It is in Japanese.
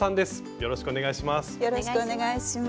よろしくお願いします。